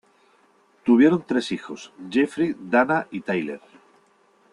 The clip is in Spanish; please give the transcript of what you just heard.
Tuvieron tres hijos: Jeffrey, Dana y Tyler.